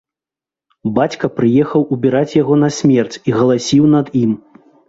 Бацька прыехаў убіраць яго на смерць і галасіў над ім.